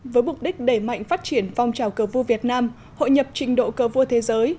với mục đích đẩy mạnh phát triển phong trào cờ vua việt nam hội nhập trình độ cờ vua thế giới